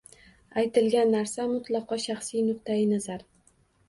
Aytilgan narsa mutlaqo shaxsiy nuqtai nazar